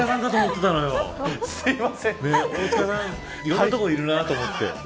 いろんな所にいるなと思って。